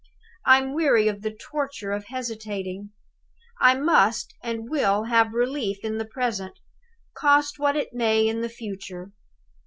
I'm weary of the torture of hesitating. I must and will have relief in the present, cost what it may in the future.